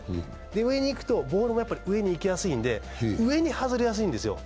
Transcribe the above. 上に行くとボールも上に行きやすいんで上に外れやすいんですよ。